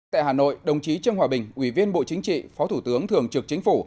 tại hà nội đồng chí trương hòa bình ủy viên bộ chính trị phó thủ tướng thường trực chính phủ